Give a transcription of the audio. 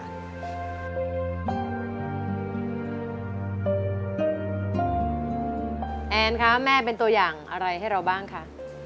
แอนคะแม่เป็นตัวอย่างอะไรให้เราบ้างคะ